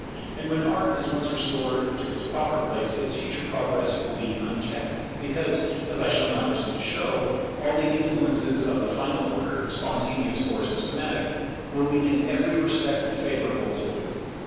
And when Art is once restored to its proper place, its future progress will be unchecked, because, as I shall now proceed to show, all the influences of the final order, spontaneous or systematic, will be in every respect favourable to it.